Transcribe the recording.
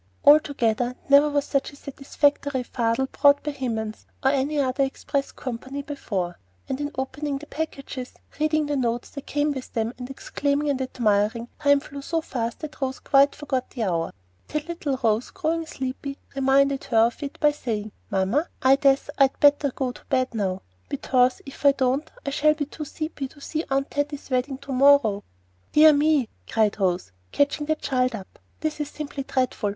Altogether never was such a satisfactory "fardel" brought by Hymen's or any other express company before; and in opening the packages, reading the notes that came with them and exclaiming and admiring, time flew so fast that Rose quite forgot the hour, till little Rose, growing sleepy, reminded her of it by saying, "Mamma, I dess I'd better do to bed now, betause if I don't I shall be too seepy to turn to Aunt Taty's wedding to mowwow." "Dear me!" cried Rose, catching the child up. "This is simply dreadful!